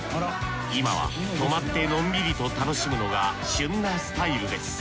今は泊まってのんびりと楽しむのが旬なスタイルです。